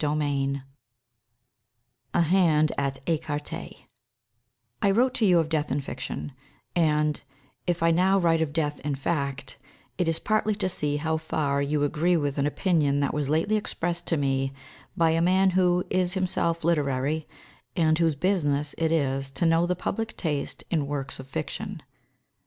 XVII A HAND AT ÉCARTÉ I wrote to you of death in fiction, and, if I now write of death in fact, it is partly to see how far you agree with an opinion that was lately expressed to me by a man who is himself literary, and whose business it is to know the public taste in works of fiction.